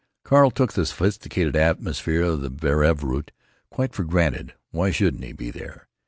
Carl took the sophisticated atmosphere of the Brevoort quite for granted. Why shouldn't he be there!